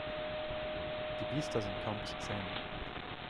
Die Biester sind kaum zu zähmen.